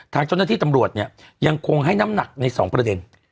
ทางเจ้าหน้าที่ตำรวจเนี่ยยังคงให้น้ำหนักใน๒ประเด็น